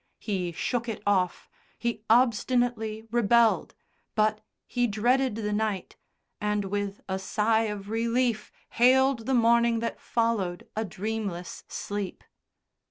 He shook it off, he obstinately rebelled, but he dreaded the night, and, with a sigh of relief, hailed the morning that followed a dreamless sleep.